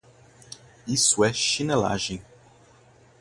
Isso é chinelagem...